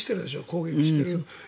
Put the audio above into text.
攻撃してる。